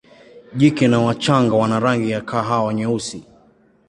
Jike na wachanga wana rangi ya kahawa nyeusi.